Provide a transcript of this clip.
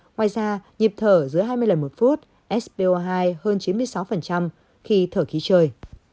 ngoài ra nhịp thở giữa hai mươi lần một phút hơn chín mươi sáu khi thở khí trời